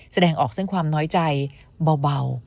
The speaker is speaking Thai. แสดงออกซึ่งความน้อยใจเบา